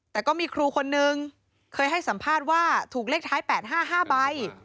แต่ก็มีครูคนนึงเคยให้สัมภาษณ์ว่าถูกเลขท้าย๘๕๕ใบ